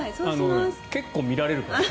結構見られるから。